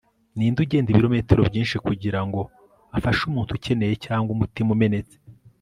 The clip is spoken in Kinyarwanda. ninde ugenda ibirometero byinshi kugirango afashe umuntu ukeneye cyangwa umutima umenetse